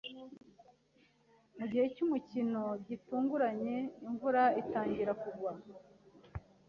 Mugihe cyumukino, gitunguranye imvura itangira kugwa.